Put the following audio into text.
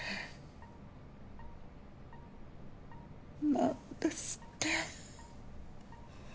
何ですって。